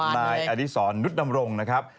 นายอดิษรนุฏนำรงค์นะครับ